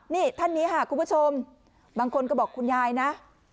นี่ท่านนี้ค่ะคุณผู้ชมบางคนก็บอกคุณยายนะ